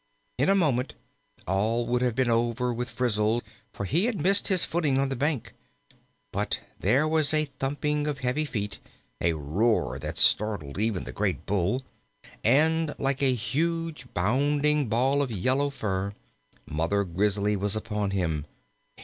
In a moment all would have been over with Frizzle, for he had missed his footing on the bank; but there was a thumping of heavy feet, a roar that startled even the great Bull, and, like a huge bounding ball of yellow fur, Mother Grizzly was upon him.